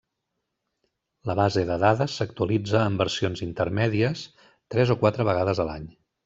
La base de dades s'actualitza amb versions intermèdies tres o quatre vegades a l'any.